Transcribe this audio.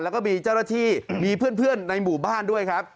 แล้วก็มีเจ้าหน้าที่มีเพื่อนในหมู่บ้านด้วยครับ